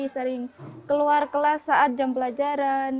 sering keluar kelas saat jam pelajaran